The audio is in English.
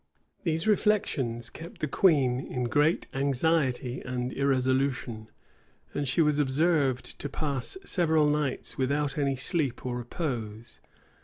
} These reflections kept the queen in great anxiety and irresolution; and she was observed to pass several nights without any sleep or repose.